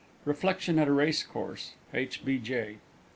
_Reflection at a Racecourse. H. B. J.